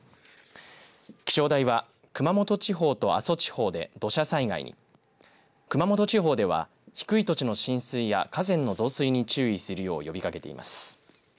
気象台は熊本地方と阿蘇地方で土砂災害に熊本地方では低い土地の浸水や河川の増水に注意するよう呼びかけています。